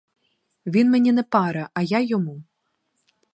Він мені не пара, а я йому.